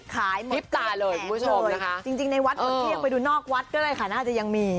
ขายหมดเกลียดแขนเลยจริงในวัดเหมือนเครียงไปดูนอกวัดก็เลยค่ะน่าจะยังมี